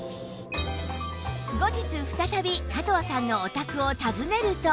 後日再び加藤さんのお宅を訪ねると